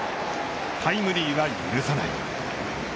タイムリーは許さない。